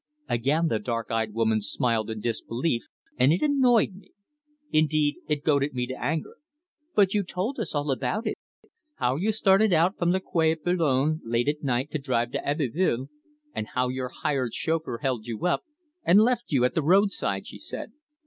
Again the dark eyed woman smiled in disbelief, and it annoyed me. Indeed, it goaded me to anger. "But you told us all about it. How you started out from the Quay at Boulogne late at night to drive to Abbeville, and how your hired chauffeur held you up, and left you at the roadside," she said.